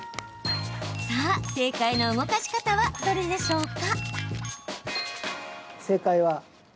さあ、正解の動かし方はどれでしょうか？